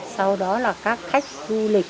sau đó là các khách du lịch